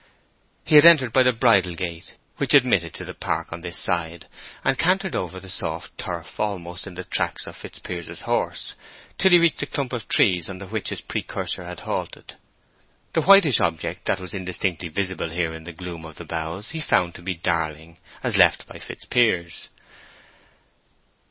He had entered by the bridle gate which admitted to the park on this side, and cantered over the soft turf almost in the tracks of Fitzpiers's horse, till he reached the clump of trees under which his precursor had halted. The whitish object that was indistinctly visible here in the gloom of the boughs he found to be Darling, as left by Fitzpiers.